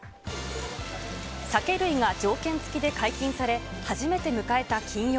酒類が条件付きで解禁され、初めて迎えた金曜。